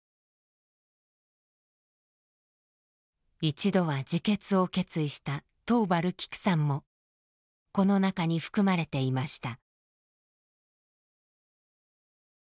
一度は自決を決意した桃原キクさんもこの中に含まれていました。